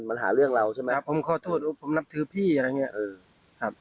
มาหาเรื่องเราใช่ไหมครับผมขอโทษผมนับถือพี่อะไรอย่างเงี้เออครับ